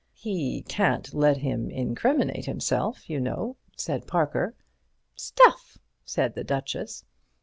"He can't let him incriminate himself, you know," said Parker. "Stuff!" said the Duchess.